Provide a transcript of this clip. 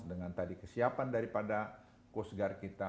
dengan tadi kesiapan daripada coast guard kita